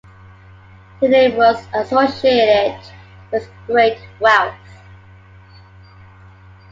Their name was associated with great wealth.